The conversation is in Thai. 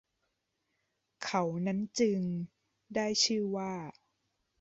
เขานั้นจึง ได้ชื่อว่า